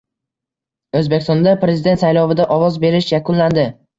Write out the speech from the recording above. O‘zbekistonda prezident saylovida ovoz berish yakunlandi